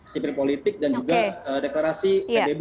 sipil politik dan juga deklarasi pbb